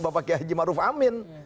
bapak yajim aruf amin